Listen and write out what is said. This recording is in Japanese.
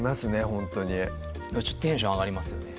ほんとにテンション上がりますよね